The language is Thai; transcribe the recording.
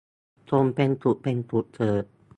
จงเป็นสุขเป็นสุขเถิด